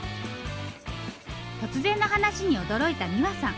突然の話に驚いた美和さん。